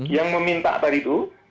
yang meminta tadi itu